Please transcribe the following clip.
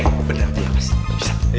hei bener dia mas bisa